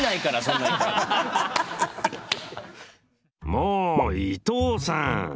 もう伊藤さん！